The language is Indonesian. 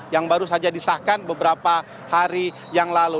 yang baru saja disahkan beberapa hari yang lalu